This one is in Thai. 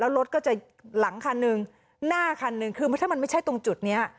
แล้วรถก็จะหลังคันหนึ่งหน้าคันหนึ่งคือถ้ามันไม่ใช่ตรงจุดนี้